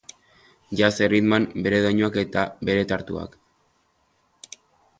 Jazz erritmoan, bere doinuak eta beretartuak.